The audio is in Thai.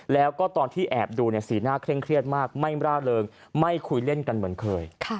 แล้วก็ตอนที่แอบดูสีหน้าเคร่งเครียดมากไม่ร่าเริงไม่คุยเล่นกันเหมือนเคย